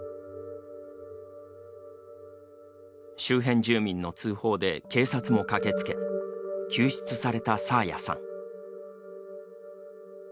周辺住民の通報で警察も駆けつけ救出された爽彩さん。